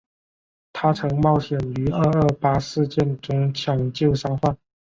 她曾冒险于二二八事件中抢救伤患。